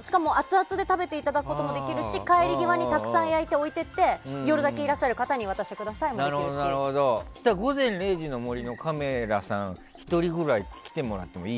しかもアツアツで食べていただくこともできるししかも帰り際にたくさん焼いて置いていって夜だけいらっしゃる方にそうしたら「午前０時の森」のカメラさん１人ぐらい来てもらってもいい？